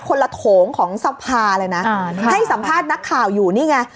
ละโถงของสภาเลยนะให้สัมภาษณ์นักข่าวอยู่นี่ไง